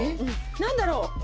何だろう？